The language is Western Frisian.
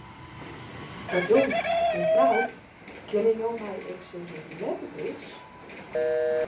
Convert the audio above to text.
Pardon, mefrou, kinne jo my ek sizze hoe let it is?